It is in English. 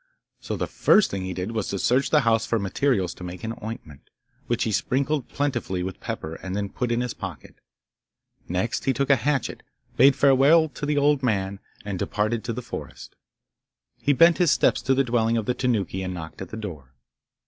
So the first thing he did was to search the house for materials to make an ointment, which he sprinkled plentifully with pepper and then put in his pocket. Next he took a hatchet, bade farewell to the old man, and departed to the forest. He bent his steps to the dwelling of the Tanuki and knocked at the door.